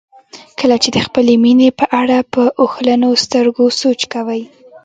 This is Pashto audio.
کله چې د خپلې مینې په اړه په اوښلنو سترګو سوچ کوئ.